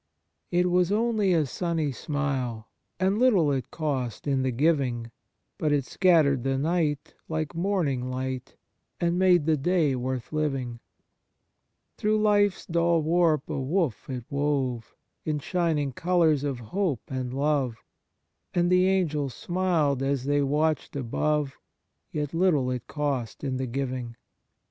' It was only a sunny smile, And little it cost in the giving ; But it scattered the night Like morning light, And made the day worth living, * Ecclus. xxiv. 27. io8 Kindness Through life's dull warp a woof it wove In shining colours of hope and love ; And the Angels smiled as they watched above, Yet little it cost in the giving.